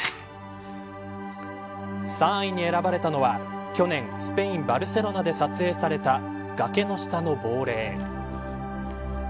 ３位に選ばれたのは去年スペイン、バルセロナで撮影された崖の下の亡霊。